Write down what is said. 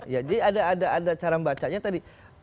jadi ada cara membacanya tadi